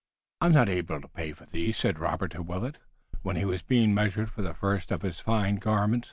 "I am not able to pay for these," said Robert to Willet when he was being measured for the first of his fine raiment.